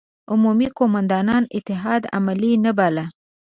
عمومي قوماندان اتحاد عملي نه باله.